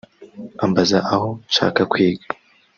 ambaza aho nshaka kwiga